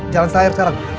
jalan selayar sekarang